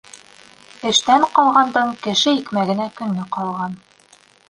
Эштән ҡалғандың кеше икмәгенә көнө ҡалған.